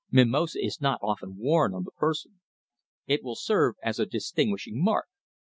"Mimosa is not often worn on the person." "It will serve as a distinguishing mark."